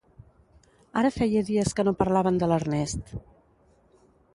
Ara feia dies que no parlaven de l'Ernest.